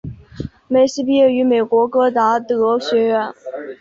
梅西毕业于美国戈达德学院。